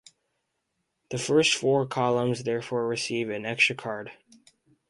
The first four columns therefore receive an extra card.